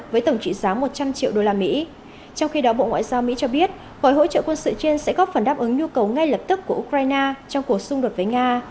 với tổng trị giá một trăm linh triệu usd trong khi đó bộ ngoại giao mỹ cho biết gói hỗ trợ quân sự trên sẽ góp phần đáp ứng nhu cầu ngay lập tức của ukraine trong cuộc xung đột với nga